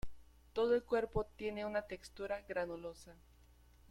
Todo el cuerpo tiene una textura granulosa.